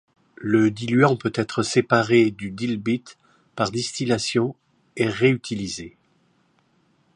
Le diluant peut être séparé du dilbit par distillation et réutilisé.